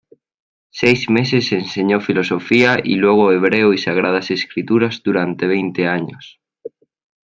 Seis meses enseñó filosofía y luego hebreo y sagradas escrituras durante veinte años.